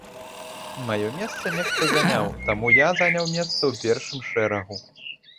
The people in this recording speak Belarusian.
Маё месца нехта заняў, таму я заняў месца ў першым шэрагу.